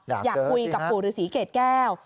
อยากคุยกับผู้รุษีเกดแก้ว